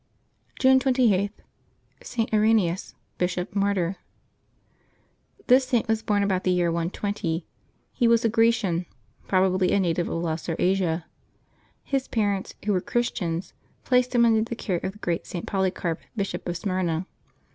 June 28.— ST. IREN^US, Bishop, Martyr. ^<His Saint was born about the year 120. He was a V^ Grecian, probably a native of Lesser Asia. His parents, who were Christians, placed him under the care of the great St. Polycarp, Bishop of Smyrna.